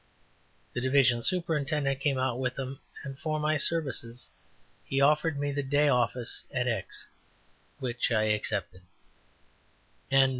The division superintendent came out with them, and for my services he offered me the day office at X , which I accepted.